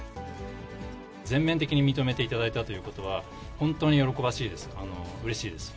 全面的に認めていただいたということは、本当に喜ばしいです、うれしいです。